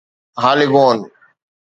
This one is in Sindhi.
هاليگنون